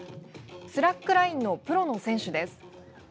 スラックラインのプロの選手です。